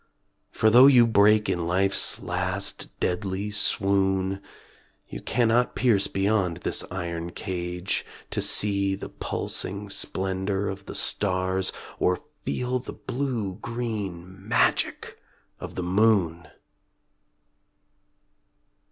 For, though you break in life's last deadly swoon, You cannot pierce beyond this iron cage To see the pulsing splendor of the stars Or feel the blue green magic of the moon!